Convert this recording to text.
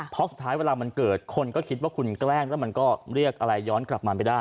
เพราะสุดท้ายเวลามันเกิดคนก็คิดว่าคุณแกล้งแล้วมันก็เรียกอะไรย้อนกลับมาไม่ได้